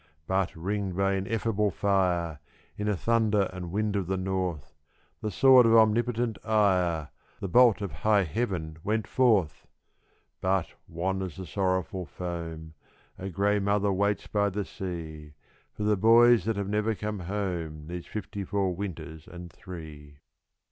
But, ringed by ineffable fire, in a thunder and wind of the north, The sword of Omnipotent ire the bolt of high Heaven went forth! But, wan as the sorrowful foam, a grey mother waits by the sea For the boys that have never come home these fifty four winters and three.